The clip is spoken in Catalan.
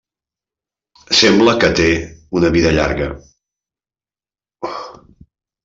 Sembla que té una vida llarga.